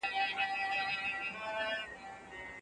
د بهرنیو پالیسي موخي تل عملي بڼه نه خپلوي.